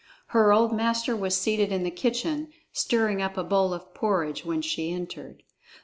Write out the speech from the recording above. Her old master was seated in the kitchen, stirring up a bowl of porridge, when she entered.